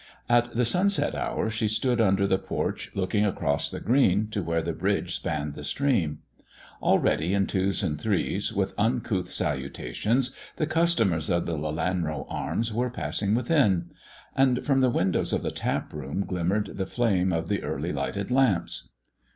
At the sunset hour she stood under the porch, looking across the green, to where the bridge spanned the stream. Already in twos and threes, with uncouth salutations, the customers of the "Lelanro Arms" were passing within; and from the windows of the taproom glimmered the flame of the early lighted lamps.